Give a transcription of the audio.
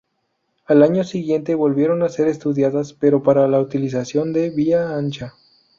Al año siguiente, volvieron a ser estudiadas, pero para la utilización de vía ancha.